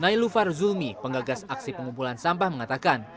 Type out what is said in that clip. nailu farzulmi pengagas aksi pengumpulan sampah mengatakan